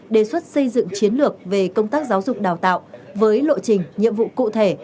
đề xuất xây dựng chiến lược về công tác giáo dục đào tạo với lộ trình nhiệm vụ cụ thể